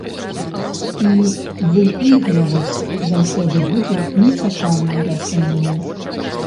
І выігрываць заўсёды будзе нечаканае рашэнне.